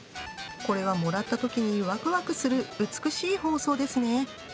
これは、もらったときにワクワクする美しい包装ですね。